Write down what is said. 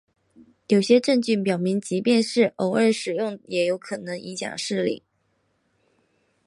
有些证据表明即便是偶尔使用也可能会影响视力。